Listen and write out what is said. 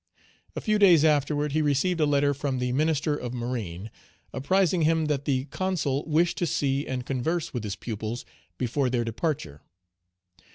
A few days afterward he received a letter from the Minister of Marine, apprising him that the Consul wished to see and converse with his pupils before their departure.